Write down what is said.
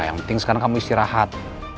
yang penting sekarang kamu istirahat